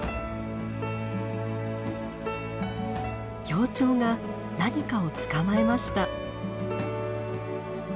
幼鳥が何かを捕まえました。